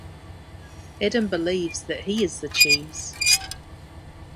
Adam believes that he is the cheese.